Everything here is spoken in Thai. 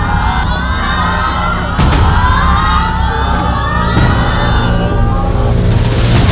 ถูกหรือไม่ถูก